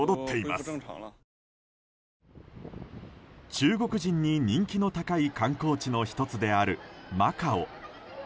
中国人に人気の高い観光地の１つであるマカオ。